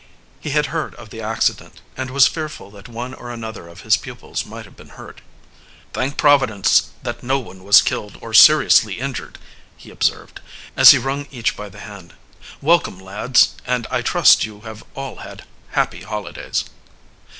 He had heard of the accident, and was fearful that one or another of his pupils might have been hurt. "Thank Providence that no one was killed or seriously injured!" he observed, as he wrung each by the hand. "Welcome, lads, and I trust you have all had happy holidays."